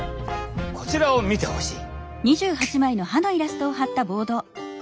こちらを見てほしい。